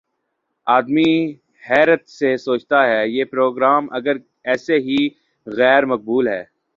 آدمی حیرت سے سوچتا ہے: یہ پروگرام اگر ایسے ہی غیر مقبول ہیں